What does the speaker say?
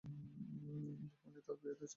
ভবানী তার পেয়াদা চালিয়ে এধরণের রাজনীতি খাটাচ্ছে।